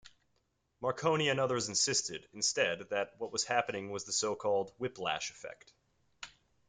Marconi and others insisted, instead, that what was happening was the so-called "whiplash effect"...